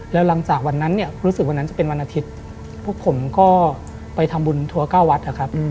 แล้วหลังจากวันนั้นเนี่ยรู้สึกวันนั้นจะเป็นวันอาทิตย์พวกผมก็ไปทำบุญทัวร์๙วัดนะครับ